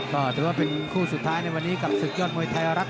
ก็คือคู่สุดท้ายในวันนี้กับศึกยอดมวยไทยรัก